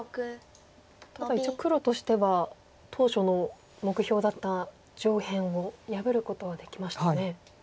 ただ一応黒としては当初の目標だった上辺を破ることはできましたね。